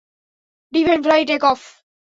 Divine fly, take-off!